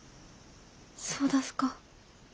そうだすか。